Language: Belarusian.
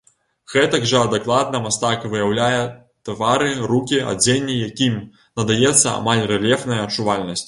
Гэтак жа дакладна мастак выяўляе твары, рукі, адзенне, якім надаецца амаль рэльефная адчувальнасць.